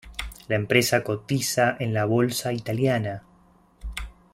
La empresa cotiza en la Bolsa italiana.